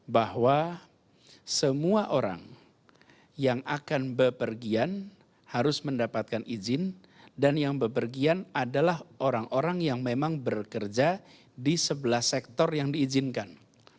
bahwa semua orang yang akan bepergian harus mendapatkan izin dan yang bepergian adalah orang orang yang memang bekerja di sebelah sektor yang diizinkan